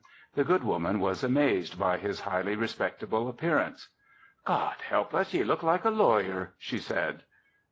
The good woman was amazed by his highly respectable appearance. "God help us! Ye look like a lawyer," she said.